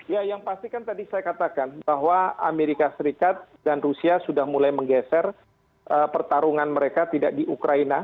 ya yang pasti kan tadi saya katakan bahwa amerika serikat dan rusia sudah mulai menggeser pertarungan mereka tidak di ukraina